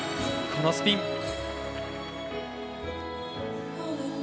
このスピン。